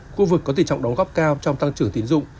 khu vực có tỉ trọng đóng góp cao trong tăng trưởng tiến dụng